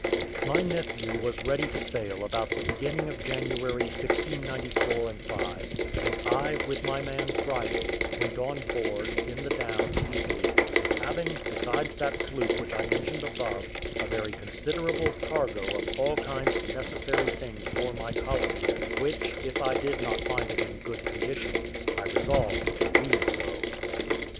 My nephew was ready to sail about the beginning of January 1694 5; and I, with my man Friday, went on board, in the Downs, the 8th; having, besides that sloop which I mentioned above, a very considerable cargo of all kinds of necessary things for my colony, which, if I did not find in good condition, I resolved to leave so.